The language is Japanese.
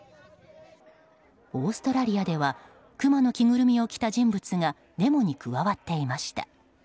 オーストラリアではクマの着ぐるみを着た人物がデモに加わっていました。